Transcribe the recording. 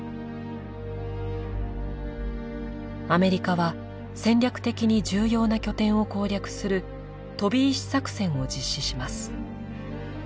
アメリカは戦略的に重要な拠点を攻略する飛び石作戦を実施します。